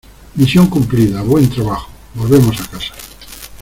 Misión cumplida. Buen trabajo . Volvemos a casa .